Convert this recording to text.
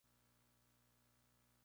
Gradius Arc: Legend of the Silver Wings